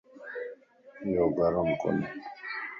يو گھر مَ ڪوني